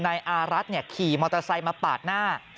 นายอารัฐขี่มอเตอร์ไซค์มาปาดหน้า